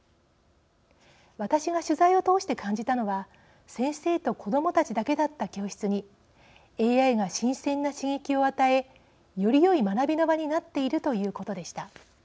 私が取材を通して感じたのは先生と子どもたちだけだった教室にＡＩが新鮮な刺激を与えよりよい学びの場になっているということでした。